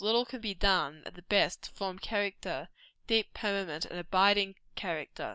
Little can be done, at the best, to form character deep, permanent, and abiding character.